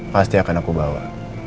pasti akan aku bawa